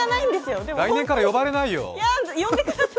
来年から呼ばれないよ。